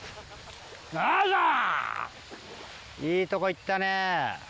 いいとこいったね。